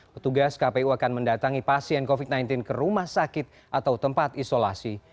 petugas kpu akan mendatangi pasien covid sembilan belas ke rumah sakit atau tempat isolasi